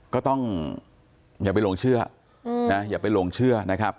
ก็ต้องอย่าไปหลงเชื่อนะอย่าไปหลงเชื่อนะครับ